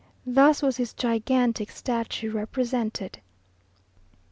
Thus was his gigantic statue represented.